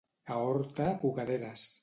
A Horta, bugaderes.